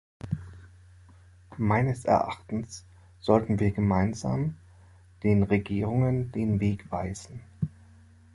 Meines Erachtens sollten wir gemeinsam den Regierungen den Weg weisen.